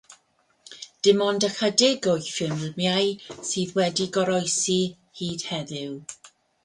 Dim ond ychydig o'i ffilmiau sydd wedi goroesi hyd heddiw.